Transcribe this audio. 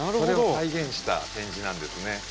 それを再現した展示なんですね。